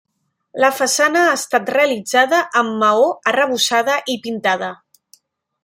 La façana ha estat realitzada amb maó, arrebossada i pintada.